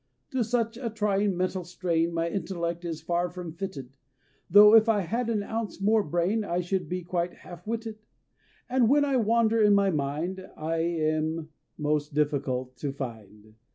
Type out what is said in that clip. To such a trying mental strain My intellect is far from fitted, Tho' if I had an ounce more brain I should be quite half witted, And when I wander in my mind I am most difficult to find.